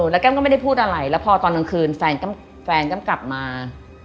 แล้วแก้มก็ไม่ได้พูดอะไรแล้วพอตอนกลางคืนแฟนก็กลับมา